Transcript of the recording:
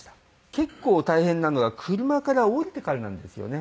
結構大変なのが車から降りてからなんですよね。